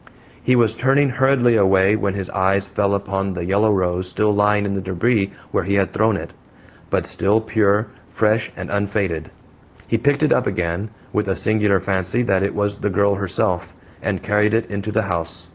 He was turning hurriedly away when his eyes fell upon the yellow rose still lying in the debris where he had thrown it but still pure, fresh, and unfaded. He picked it up again, with a singular fancy that it was the girl herself, and carried it into the house.